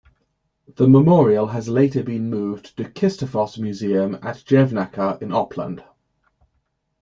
The memorial has later been moved to Kistefos museum at Jevnaker in Oppland.